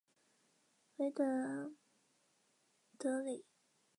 维朗德里。